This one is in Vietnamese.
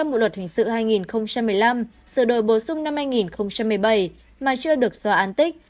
bộ luật hình sự hai nghìn một mươi năm sửa đổi bổ sung năm hai nghìn một mươi bảy mà chưa được xóa an tích